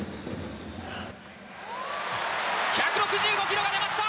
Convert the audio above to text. １６５キロが出ました！